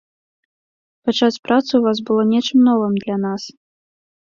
Пачаць працу ў вас было нечым новым для нас.